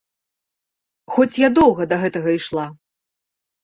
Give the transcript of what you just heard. Хоць я доўга да гэтага ішла.